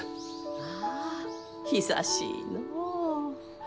ああ久しいのう。